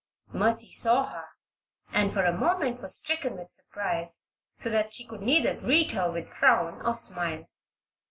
Mercy saw her and, for a moment, was stricken with surprise so that she could neither greet her with frown or smile.